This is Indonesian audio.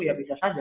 ya bisa saja